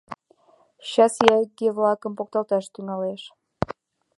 — Чечас ияиге-влакым поктылаш тӱҥалеш.